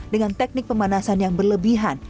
dengan teknik pemanasan yang berlebihan